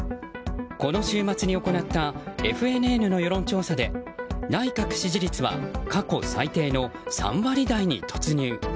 この週末に行ったＦＮＮの世論調査で内閣支持率は過去最低の３割台に突入。